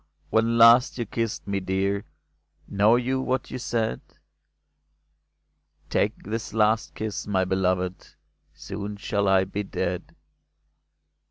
when last you kissed me, dear, Know you what you said ?" Take this last kiss, my beloved, Soon shall I be dead